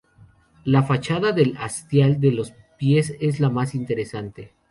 La fachada del hastial de los pies es la más interesante.